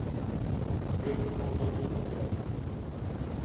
Гэта было даволі ўдала.